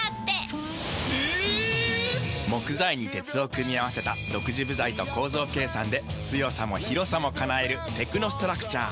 木材に鉄を組み合わせた独自部材と構造計算で強さも広さも叶えるテクノストラクチャー。